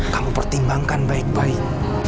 kamu pertimbangkan baik baik